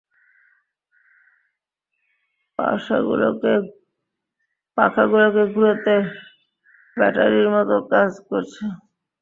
পাখাগুলোকে ঘুরাতে ব্যাটারির মতো কাজ করছে।